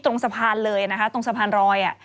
ตรงสะพานเลยนะคะตรงสะพานรอย